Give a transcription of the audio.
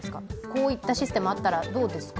こういったシステムあったらどうですか。